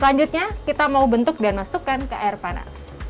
selanjutnya kita mau bentuk dan masukkan ke air panas